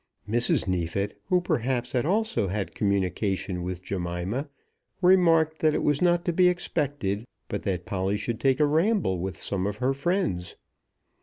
Mrs. Neefit, who perhaps had also had communication with Jemima, remarked that it was not to be expected, but that Polly should take a ramble with some of her friends.